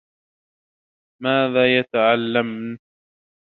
ماذا يتعلّمن؟